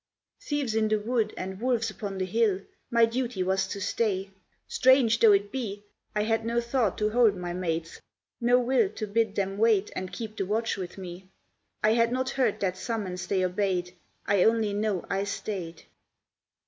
Thieves in the wood and wolves upon the hill, My duty was to stay. Strange though it be, I had no thought to hold my mates, no will To bid them wait and keep the watch with me. I had not heard that summons they obeyed; I only know I stayed.